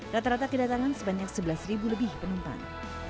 rata rata kedatangan sebanyak sebelas lebih penumpang